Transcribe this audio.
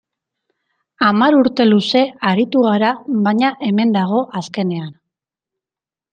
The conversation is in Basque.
Hamar urte luze aritu g ara, baina hemen dago azkenean.